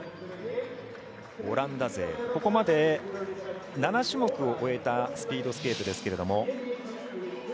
オランダ勢ここまで、７種目終えたスピードスケートですけれども。